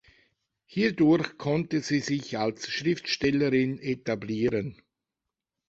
Hierdurch konnte sie sich als Schriftstellerin etablieren.